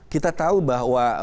kita tahu bahwa